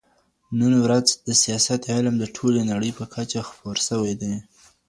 نن ورځ د سياست علم د ټولې نړۍ په کچه خپور سوی دی.